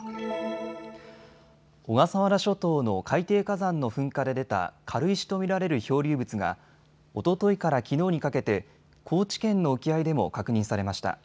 小笠原諸島の海底火山の噴火で出た軽石と見られる漂流物がおとといからきのうにかけて高知県の沖合でも確認されました。